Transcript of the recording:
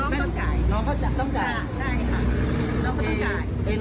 น้องเขาต้องจ่ายได้ค่ะน้องเขาต้องจ่ายไอ้น้องเงินรายบันได้เท่าไหร่วะ